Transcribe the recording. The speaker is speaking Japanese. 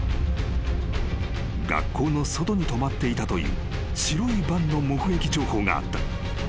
［学校の外に止まっていたという白いバンの目撃情報があった］